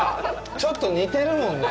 ちょっと似てるもんね。